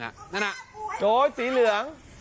นั่นนะโอ้ยสีเหลือง